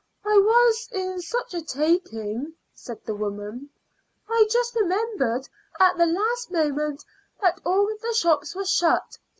"I was in such a taking," said the woman. "I just remembered at the last moment that all the shops were shut.